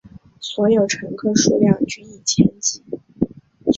所有乘客数量均以千计。